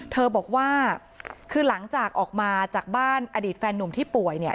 เธอบอกว่าคือหลังจากออกมาจากบ้านอดีตแฟนนุ่มที่ป่วยเนี่ย